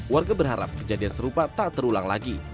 warga berharap kejadian serupa tak terulang lagi